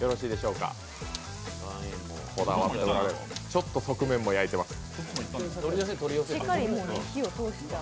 ちょっと側面も焼いてます。